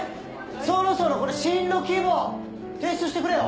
そろそろこれ進路希望提出してくれよ。